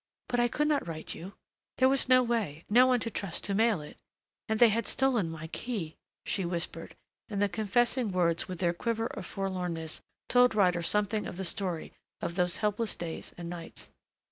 But I could not write you. There was no way no one to trust to mail it. And they had stolen my key," she whispered, and the confessing words with their quiver of forlornness told Ryder something of the story of those helpless days and nights.